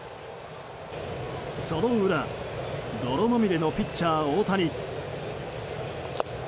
その裏、泥まみれのピッチャー大谷。